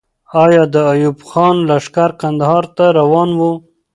آیا د ایوب خان لښکر کندهار ته روان وو؟